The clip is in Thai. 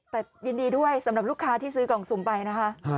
แต่ยินดีด้วยสำหรับลูกค้าที่ซื้อกล่องสุ่มไปนะคะ